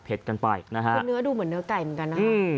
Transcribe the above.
ก็ดูเหมือนเนื้อไก่เหมือนกัน